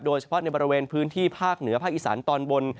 โดยเฉพาะในบริเวณพื้นที่ภาคเหนือภาคอีสานตอนบน